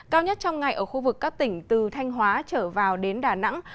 cao nhất trong ngày ở khu vực các tỉnh từ thanh hóa trở vào đến đà nẵng